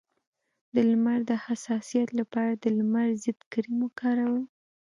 د لمر د حساسیت لپاره د لمر ضد کریم وکاروئ